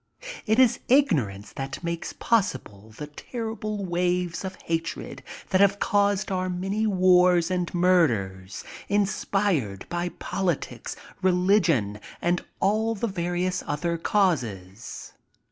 It is ignor ance that makes possible the terrible waves of hatred that have caused our many wars and murders, in spired by politics, religion and all the various other causes.